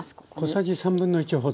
小さじ1/3ほど。